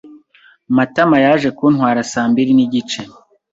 Matama yaje kuntwara saa mbiri n'igice.